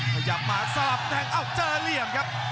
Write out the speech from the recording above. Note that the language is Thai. พยายามมาสลับแทงเอาจะเหลี่ยมครับ